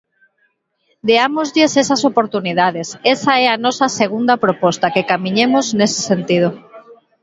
Deámoslles esas oportunidades; esa é a nosa segunda proposta, que camiñemos nese sentido.